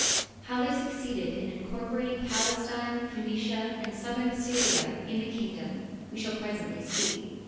How they succeeded in incorporating Palestine, Phoenicia, and southern Syria in the kingdom we shall presently see.